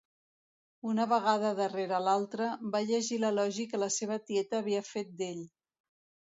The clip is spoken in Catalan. Una vegada darrere l'altra, va llegir l'elogi que la seva tieta havia fet d'ell.